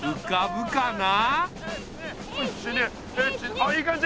あっいい感じ。